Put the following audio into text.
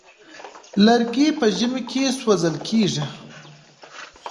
لرګي په ژمي کې سوزول کيږي.